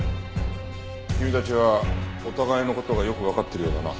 君たちはお互いの事がよくわかってるようだな。